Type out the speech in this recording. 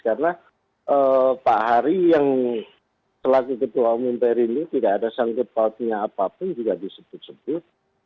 karena pak hari yang selagi ketua umum pr ini tidak ada sanggup pautinya apapun juga disebut sebut